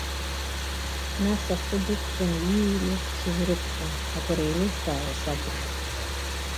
Нас ахәы дықәтәаны ииҩлоз дсызрыԥхьон, акыр еилызкаауа сакәушәа.